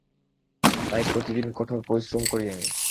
তাই প্রতিদিন কঠোর পরিশ্রম করি আমি।